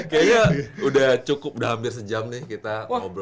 kayaknya udah cukup udah hampir sejam nih kita ngobrol